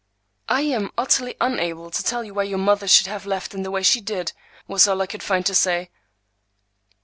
"I am utterly unable to tell you why your mother should have left in the way she did," was all I could find to say.